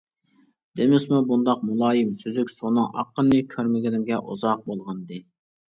دېمىسىمۇ بۇنداق مۇلايىم سۈزۈك سۇنىڭ ئاققىنىنى كۆرمىگىنىمگە ئۇزاق بولغانىدى.